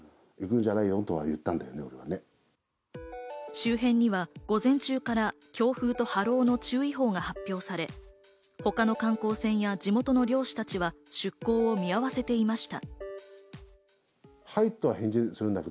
周辺には午前中から強風と波浪の注意報が発表され、他の観光船や地元の漁師たちは出港を見合わせていました。